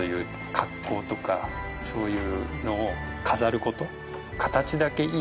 格好とかそういうのを飾る事。